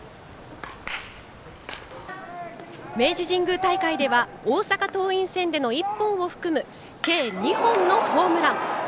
明治神宮大会では大阪桐蔭戦での１本を含む計２本のホームラン。